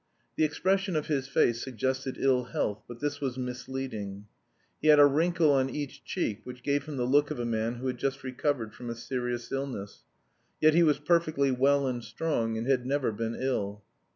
The expression of his face suggested ill health, but this was misleading. He had a wrinkle on each cheek which gave him the look of a man who had just recovered from a serious illness. Yet he was perfectly well and strong, and had never been ill.